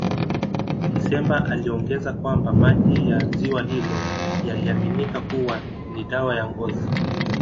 Kisemba aliongeza kwamba maji ya ziwa hilo yaliaminika kuwa ni dawa ya ngozi